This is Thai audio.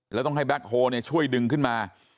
แล้วต้องให้แบ็คโฮลช่วยดึงขึ้นมา